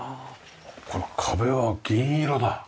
この壁は銀色だ。